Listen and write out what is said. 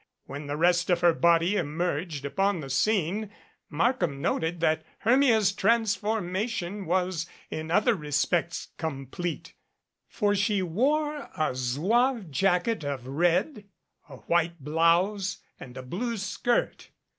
When the rest of her body emerged upon the scene Markham noted that Hermia's transformation was in other respects complete; for she wore a zouave jacket of red, a white blouse and a blue skirt.